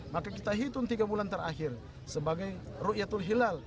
maka kita hitung tiga bulan terakhir sebagai rukyatul hilal